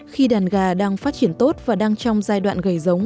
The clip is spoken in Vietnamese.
khi đàn gà đang phát triển tốt và đang trong giai đoạn gầy giống